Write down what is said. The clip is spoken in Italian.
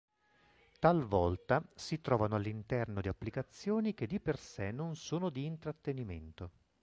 Talvolta si trovano all'interno di applicazioni che di per sé non sono di intrattenimento.